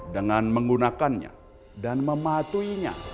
dengan menggunakannya dan mematuhinya